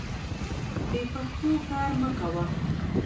بې پښتو کار مه کوه.